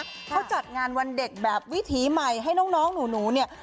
เขาจัดงานวันเด็กแบบวิถีใหม่ให้น้องหนูเนี่ย